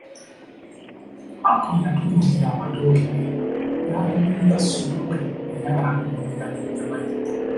Aku yatunuulira amatooke ge, n'atunuulira supu we era n'atunulira n'ennyama ye .